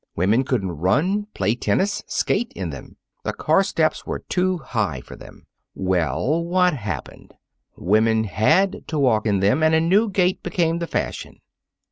Women couldn't run, play tennis, skate in them. The car steps were too high for them. Well, what happened? Women had to walk in them, and a new gait became the fashion.